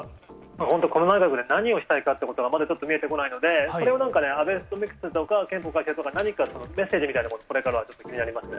本当、この内閣で何をしたいかということがまだちょっと見えてこないので、これをなんか、アベノミクスとか、憲法改正とか何かメッセージみたいなもの、これからは気になりますね。